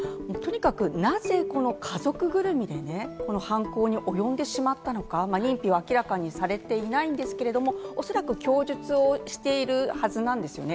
とにかく、なぜ家族ぐるみでね、この犯行に及んでしまったのか、認否を明らかにされていないんですけれども、おそらく供述をしているはずなんですよね。